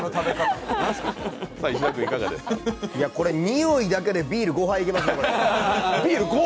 これ匂いだけでビール５杯いけますね。